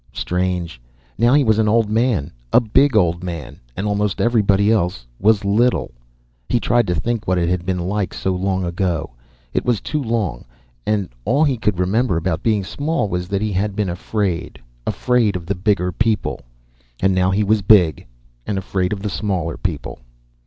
Strange. Now he was an old man, a big old man, and almost everybody else was little. He tried to think what it had been like, so long ago. It was too long. All he could remember about being small was that he had been afraid. Afraid of the bigger people. And now he was big, and afraid of the smaller people.